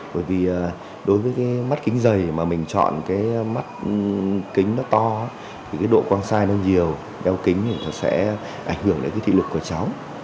bởi vì đối với cái mắt kính dày mà mình chọn cái mắt kính nó to thì cái độ quang sai nó nhiều đeo kính thì nó sẽ ảnh hưởng đến cái thị lực của cháu